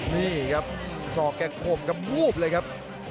นี่ครับซอกแก่งโคมก็วู๊บเหล้งครับ